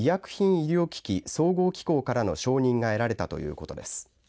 医療機器総合機構からの承認が得られたということです。